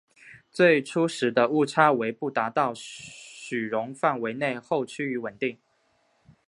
最初时的误差为不达到许容范围内后趋于稳定。